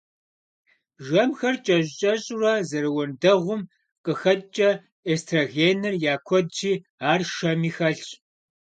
Жэмхэр кӀэщӀ-кӀэщӀурэ зэрыуэндэгъум къыхэкӀкӀэ, эстрогеныр я куэдщи, ар шэми хэлъщ.